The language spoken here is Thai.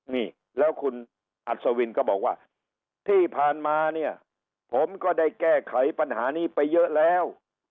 นี่แล้วคุณอัศวินก็บอกว่าที่ผ่านมาเนี่ยผมก็ได้แก้ไขปัญหานี้ไปเยอะแล้ว